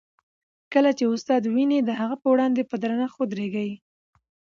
کله چي استاد وینئ، د هغه په وړاندې په درنښت ودریږئ.